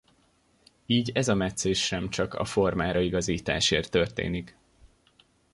Így ez a metszés sem csak a formára igazításért történik.